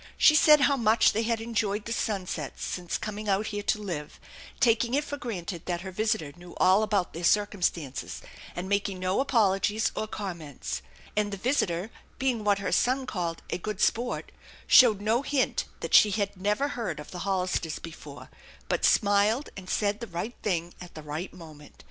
She said how much they had enjoyed the sunsets since coming out here to live, taking it for granted that her visitor knew all about their circumstances, and making no apologies or comments; and the visitor, being what her son called " a good sport," showed no hint that she had never heard of the Hollisters before, but smiled and said the right thing at the right moment.